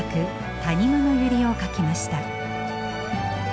「谷間の百合」を書きました。